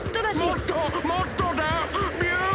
もっともっとだ！ビュン！